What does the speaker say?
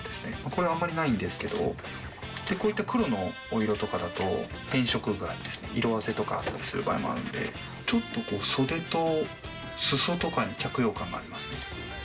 これはあんまりないんですけど、こういった黒のお色とかだと、変色具合、色あせとかあったりする場合もあるので、ちょっと袖と裾とかに着用感がありますね。